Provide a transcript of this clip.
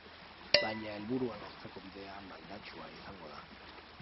Baina helburua lortzeko bidea maldatsua izango da.